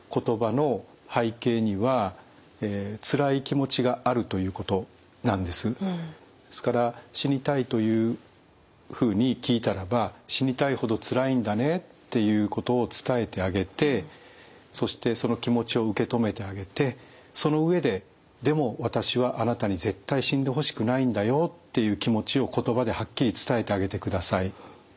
間違いなく言えることの一つはですから「死にたい」というふうに聞いたらば「死にたいほどつらいんだね」っていうことを伝えてあげてそしてその気持ちを受け止めてあげてその上で「でも私はあなたに絶対死んでほしくないんだよ」っていう気持ちを言葉ではっきり伝えてあげてください。